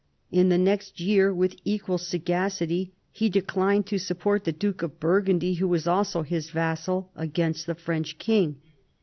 In the next year, with equal sagacity, he declined to support the duke of Burgundy, who was also his vassal, against the French king.